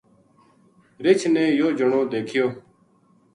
رچھ نے یوہ جنو دیکھیو